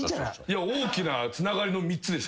大きなつながりの３つ。